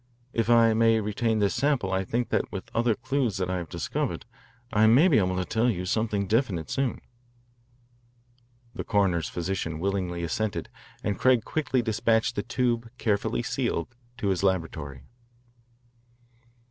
If I may retain this sample I think that with other clues that I have discovered I may be able to tell you something definite soon." The coroner's physician willingly assented, and Craig quickly dispatched the tube, carefully sealed, to his laboratory.